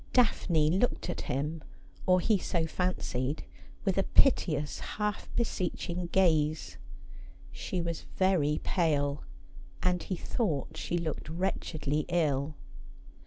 Daphne looked at him — or he so fancied — with a piteous half beseeching gaze. She was very pale, and he thought she looked wretchedJy ill.